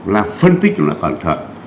là phân tích rất là cẩn thận